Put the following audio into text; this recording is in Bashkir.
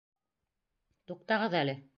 Туҡтағыҙ әле!..